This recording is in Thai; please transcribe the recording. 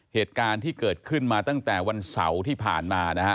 เหตุการณ์ที่เกิดขึ้นมาตั้งแต่วันเสาร์ที่ผ่านมานะฮะ